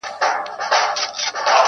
مُلا جانه راته وایه په کتاب کي څه راغلي-